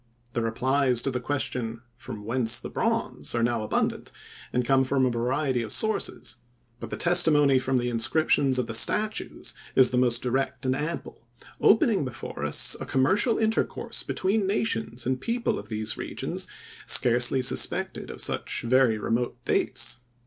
The replies to the question, from whence the bronze? are now abundant, and come from a variety of sources, but the testimony from the inscriptions of the statues is the most direct and ample, opening before us a commercial intercourse between nations and people of these regions scarcely suspected of such very remote dates.